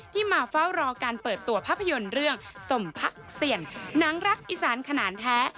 มาเฝ้ารอการเปิดตัวภาพยนตร์เรื่องสมพักเสี่ยงหนังรักอีสานขนาดแท้